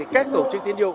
các tổ chức tiến dụng